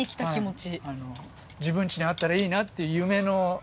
自分ちにあったらいいなっていう夢の。